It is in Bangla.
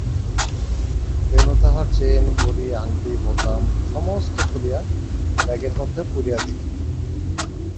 বেণু তাহার চেন ঘড়ি আংটি বোতাম সমস্ত খুলিয়া ব্যাগের মধ্যে পুরিয়া দিল।